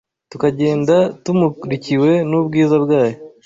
tukagenda tumurikiwe n’ubwiza bwayo